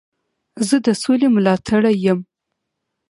زه د سولي ملاتړی یم.